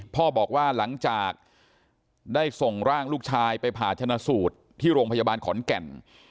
พ่อบอกว่าหลังจากได้ส่งร่างลูกชายไปผ่าชนะสูตรที่โรงพยาบาลขอนแก่น